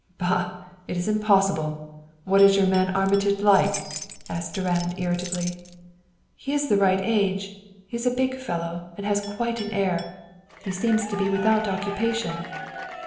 "Bah! It is impossible! What is your man Armitage like?" asked Durand irritably. "He is the right age. He is a big fellow and has quite an air. He seems to be without occupation."